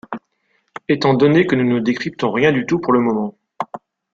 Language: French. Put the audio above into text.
Étant donné que nous ne décryptons rien du tout pour le moment.